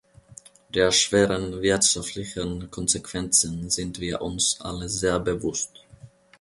Der schweren wirtschaftlichen Konsequenzen sind wir uns alle sehr bewusst.